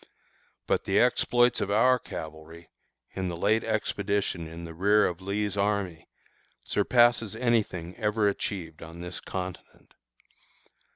But the exploits of our cavalry, in the late expedition in the rear of Lee's army, surpasses any thing ever achieved on this continent.